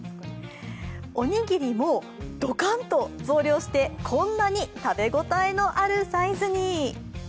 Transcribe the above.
おにぎりも、ドカンと増量してこんなに食べ応えのあるサイズに。